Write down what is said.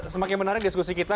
semakin menarik diskusi kita